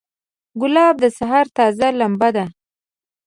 ګلاب د سحر تازه لمبه ده.